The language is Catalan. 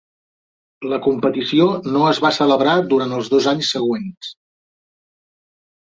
La competició no es va celebrar durant els dos anys següents.